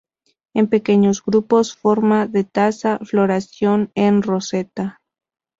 En pequeños grupos, forma de taza, floración en roseta.